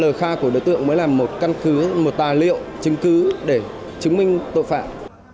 lời khai của đối tượng mới là một căn cứ một tài liệu chứng cứ để chứng minh tội phạm